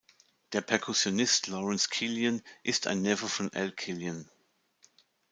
Der Perkussionist Lawrence Killian ist ein Neffe von Al Killian.